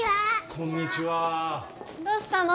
こんにちはどうしたの？